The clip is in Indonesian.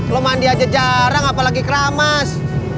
lo mandi aja jarang apalagi keramas